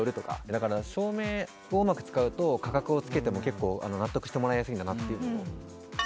だから、照明をうまく使うと、価格をつけても結構、納得してもらいやすいんだなっていうのが。